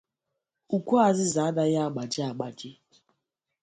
Ukwu azịza anaghị agbaji agbaji